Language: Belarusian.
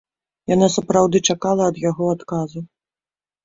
Яна сапраўды чакала ад яго адказу.